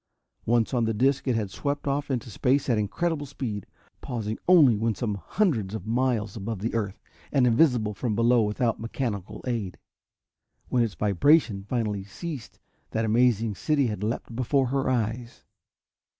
Once on the disc, it had swept off into space at incredible speed, pausing only when some hundreds of miles above the earth and invisible from below without mechanical aid. When its vibration finally ceased that amazing city had leapt before her eyes.